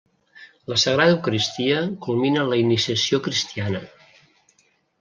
La Sagrada Eucaristia culmina la iniciació cristiana.